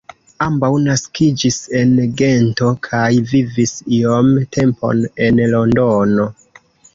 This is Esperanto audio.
Ambaŭ naskiĝis en Gento kaj vivis iom tempon en Londono.